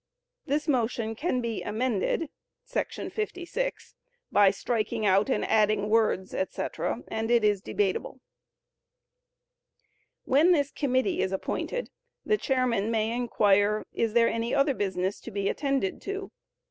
This motion can be amended [§ 56] by striking out and adding words, etc., and it is debatable. When this committee is appointed, the chairman may inquire, "Is there any other business to be attended to?"